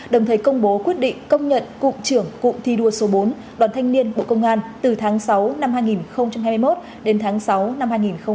đồng thời công bố quyết định công nhận cụm trưởng cụm thi đua số bốn đoàn thanh niên bộ công an từ tháng sáu năm hai nghìn hai mươi một đến tháng sáu năm hai nghìn hai mươi ba